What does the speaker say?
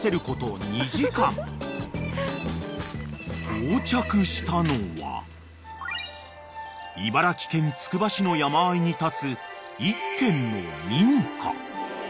［到着したのは茨城県つくば市の山あいに立つ一軒の民家］